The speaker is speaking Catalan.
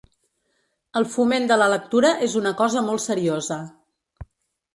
El foment de la lectura és una cosa molt seriosa.